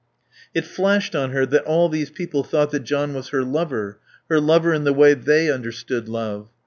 It flashed on her that all these people thought that John was her lover, her lover in the way they understood love.